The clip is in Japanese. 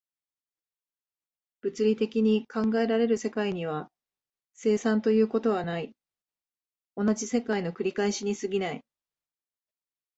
物理的に考えられる世界には、生産ということはない、同じ世界の繰り返しに過ぎない。